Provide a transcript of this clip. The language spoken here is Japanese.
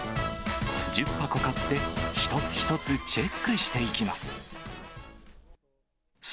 １０箱買って、一つ一つチェックしていきます。